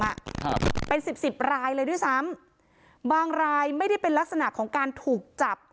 ครับเป็นสิบสิบรายเลยด้วยซ้ำบางรายไม่ได้เป็นลักษณะของการถูกจับ